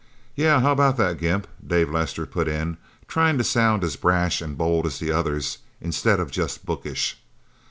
"Yeah how about that, Gimp?" Dave Lester put in, trying to sound as brash and bold as the others, instead of just bookish.